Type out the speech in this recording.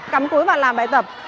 cắm cuối và làm bài tập